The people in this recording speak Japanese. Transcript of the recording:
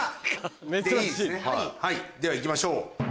では行きましょう。